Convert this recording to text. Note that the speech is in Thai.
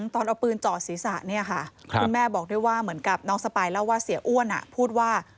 ตอนเอาปืนจ่อศีรษะเนี่ยค่ะคุณแม่บอกด้วยว่าเหมือนกับน้องสปายเล่าว่าเสียอ้วนพูดว่า